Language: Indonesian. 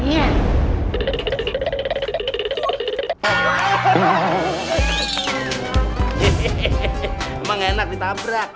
hehehe emang enak ditabrak